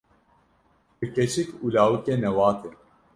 Bir keçik û lawikê newatê